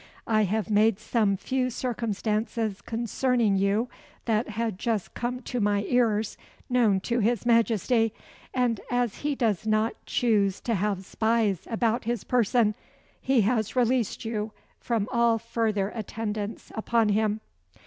I have made some few circumstances concerning you that had just come to my ears known to his Majesty; and as he does not choose to have spies about his person, he has released you from all further attendance upon him."